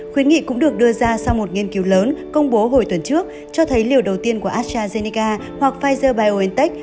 khuyến nghị cũng được đưa ra sau một nghiên cứu lớn công bố hồi tuần trước cho thấy liều đầu tiên của astrazeneca hoặc pfizer biontech